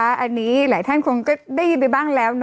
อันนี้หลายท่านคงก็ได้ยินไปบ้างแล้วนะ